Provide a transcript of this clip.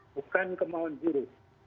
bukan kemauan guru